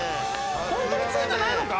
ホントについてないのか？